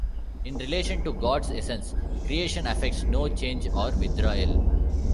In relation to God's essence, Creation affects no change or withdrawal.